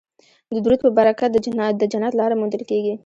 د درود په برکت د جنت لاره موندل کیږي